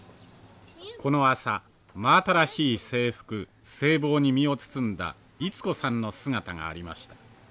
この朝真新しい制服制帽に身を包んだ溢子さんの姿がありました。